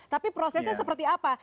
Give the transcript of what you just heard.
tapi prosesnya seperti apa